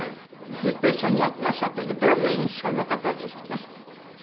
ずっと一緒にやっていらっしゃったけどどういう印象の方でした？